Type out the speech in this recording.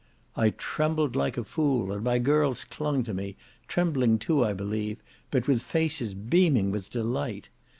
I trembled like a fool, and my girls clung to me, trembling too, I believe, but with faces beaming with delight.